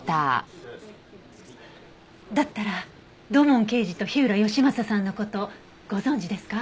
だったら土門刑事と火浦義正さんの事ご存じですか？